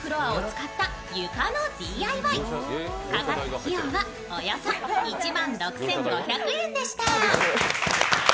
かかった費用はおよそ１万６５００円でした。